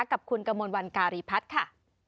กับคุณกมลวันการีพัฒน์ค่ะ